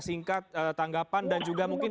singkat tanggapan dan juga mungkin